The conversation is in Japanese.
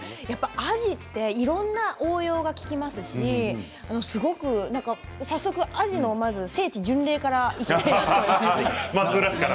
アジはいろんな応用が利きますし早速アジの聖地巡礼から行きたいと思います。